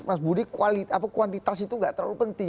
mas budi kuantitas itu nggak terlalu penting